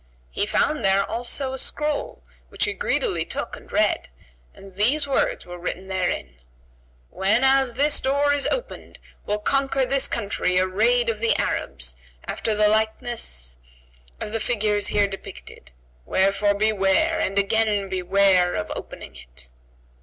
He found there also a scroll which he greedily took and read, and these words were written therein, "Whenas this door is opened will conquer this country a raid of the Arabs, after the likeness of the figures here depicted; wherefore beware, and again beware of opening it."